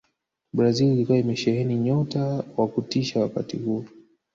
brazil ilikuwa imesheheni nyota wa kutisha wakati huo